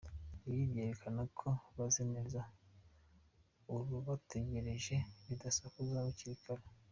Ibi byerekana ko bazi neza urubatagereje nibadasakuza hakiri kare.